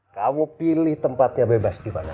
kamu pilih tempatnya bebas dimana